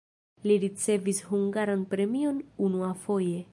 Li ricevis hungaran premion unuafoje.